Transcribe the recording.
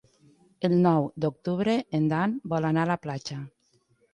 El nou d'octubre en Dan vol anar a la platja.